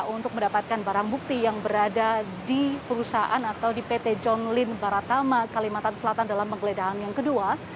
untuk mendapatkan barang bukti yang berada di perusahaan atau di pt john lyn baratama kalimantan selatan dalam penggeledahan yang kedua